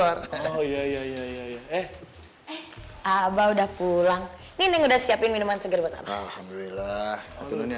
ya ya ya ya eh eh abah udah pulang ini udah siapin minuman segera alhamdulillah